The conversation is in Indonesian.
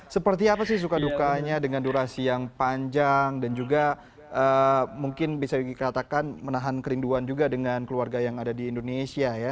seperti apa sih suka dukanya dengan durasi yang panjang dan juga mungkin bisa dikatakan menahan kerinduan juga dengan keluarga yang ada di indonesia ya